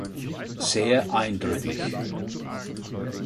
Sehr eindrücklich!